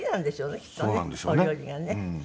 きっとねお料理がね。